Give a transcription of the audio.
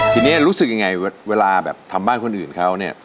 ทีนี้รู้สึกยังไงเวลาแบบทำบ้านคนอื่นเขาเนี่ย